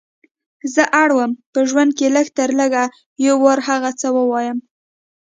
زه اړه وم په ژوند کې لږ تر لږه یو وار هغه څه ووایم.